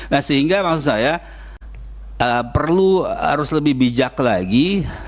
nah sehingga maksud saya perlu harus lebih bijak lagi